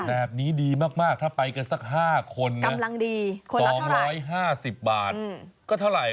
แบบนี้ดีมากถ้าไปกันสัก๕คนเนี่ย๒๕๐บาทก็เท่าไร